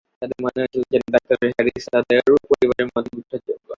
তাদের মনে হয়েছিল, যেন ডঃ হ্যারিস তাদের পরিবারের মতই বিশ্বাসযোগ্য।